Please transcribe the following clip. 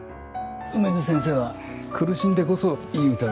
梅津先生は苦しんでこそいい歌を詠む人だ。